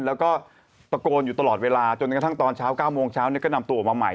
แล้วก็ตะโกนอยู่ตลอดเวลาจนกระทั่งตอนเช้า๙โมงเช้าก็นำตัวออกมาใหม่